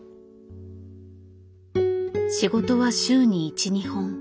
仕事は週に１２本。